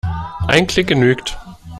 Ein Klick genügt.